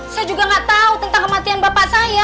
saya juga gak tau tentang kematian bapak saya